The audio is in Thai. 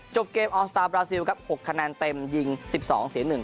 จบเกมออสตาร์บราซิลครับหกคะแนนเต็มยิงสิบสองเสียหนึ่ง